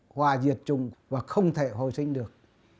hòa diệt chung và không thể hồi sinh được